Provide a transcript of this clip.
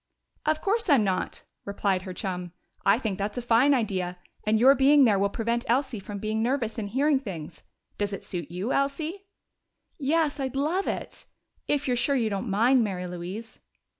"Of course I'm not!" replied her chum. "I think that's a fine idea, and your being there will prevent Elsie from being nervous and hearing things. Does it suit you, Elsie?" "Yes! Oh, I'd love it! If you're sure you don't mind, Mary Louise."